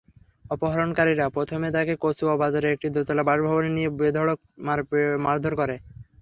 অপহরণকারীরা প্রথমে তাঁকে কচুয়া বাজারে একটি দোতলা বাসভবনে নিয়ে বেধড়ক মারধর করে।